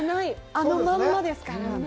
あのまんまですからね。